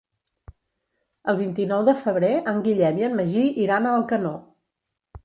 El vint-i-nou de febrer en Guillem i en Magí iran a Alcanó.